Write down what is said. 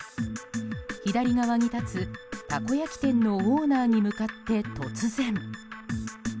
左側に立つ、たこ焼き店のオーナーに向かって突然。